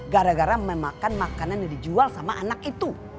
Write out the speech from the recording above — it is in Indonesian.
gara gara memakan makanan yang dijual sama anak itu